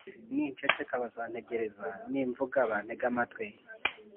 Ninceceka bazantegereza, nimvuga bantege amatwi;